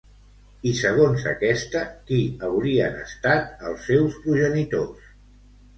I, segons aquesta, qui haurien estat els seus progenitors?